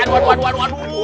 aduh aduh aduh aduh aduh